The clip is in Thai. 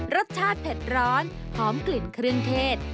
รสชาติเผ็ดร้อนหอมกลิ่นเครื่องเทศ